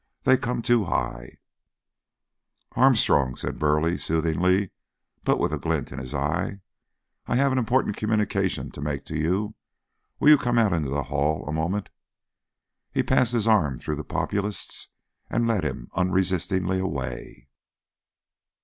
They come too high " "Armstrong," said Burleigh soothingly, but with a glint in his eye, "I have an important communication to make to you. Will you come out into the hall a moment?" He passed his arm through the Populist's, and led him unresistingly away.